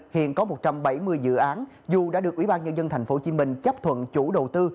hiện có một trăm bảy mươi dự án dù đã được ubnd tp hcm chấp thuận chủ đầu tư